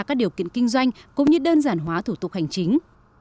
các điều kiện kinh doanh cũng như đơn giản hóa thủ tục hành chính